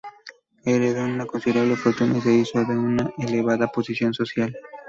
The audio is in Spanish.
Heredó una considerable fortuna y se hizo de una elevada posición social.